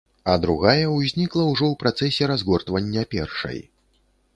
А другая ўзнікла ўжо ў працэсе разгортвання першай.